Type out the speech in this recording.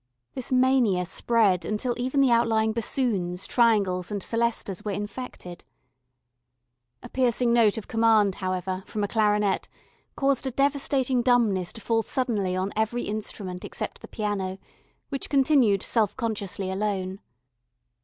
This mania spread until even the outlying bassoons, triangles, and celestas were infected. A piercing note of command, however, from a clarinet caused a devastating dumbness to fall suddenly on every instrument except the piano, which continued self consciously alone.